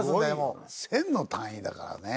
１０００の単位だからね。